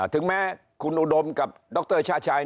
ถึงแม้คุณอุดมกับดรชาชัย